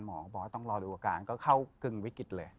หมอบอกต้องรอดูอาการเข้าคลึงไว้คริตเลย